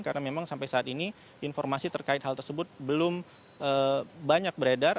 karena memang sampai saat ini informasi terkait hal tersebut belum banyak beredar